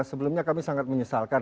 sebelumnya kami sangat menyesalkan